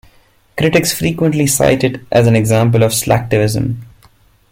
Critics frequently cite it as an example of slacktivism.